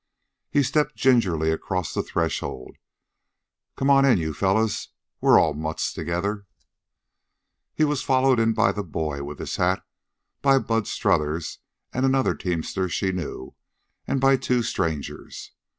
He stepped gingerly across the threshold. " Come on in, you fellows. We're all mutts together." He was followed in by the boy with his hat, by Bud Strothers and another teamster she knew, and by two strangers.